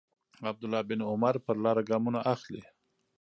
عبدالله بن عمر پر لاره ګامونه اخلي.